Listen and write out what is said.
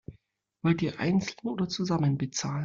Wollt ihr einzeln oder zusammen bezahlen?